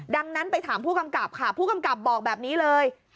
ดังนั้นไปถามผู้กำกับค่ะผู้กำกับบอกแบบนี้เลย